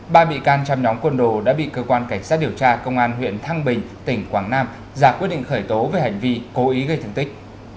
ba bị can trong nhóm côn đồ đã bị cơ quan cảnh sát điều tra công an huyện thăng bình tỉnh quảng nam ra quyết định khởi tố về hành vi cố ý gây thương tích